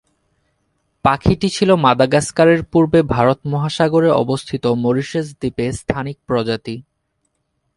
পাখিটি ছিল মাদাগাস্কারের পূর্বে ভারত মহাসাগরে অবস্থিত মরিশাস দ্বীপে স্থানিক প্রজাতি।